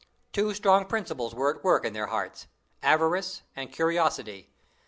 Two strong principles were at work in their hearts, avarice and curiosity.